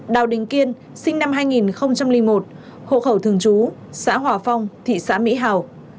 đào đình kiên sinh năm hai nghìn một hộ khẩu thương chú xã hòa phong thị xã mỹ hào